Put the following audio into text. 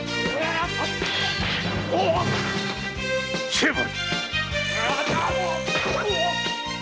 成敗！